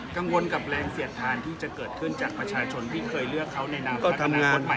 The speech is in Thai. กังวลกับแรงเสียดทานที่จะเกิดขึ้นจากประชาชนที่เคยเลือกเขาในนามพักร่างกดใหม่นะครับ